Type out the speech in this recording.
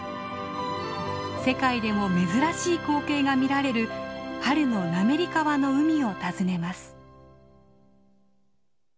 世界でも珍しい光景が見られる春の滑川の海を訪ねます。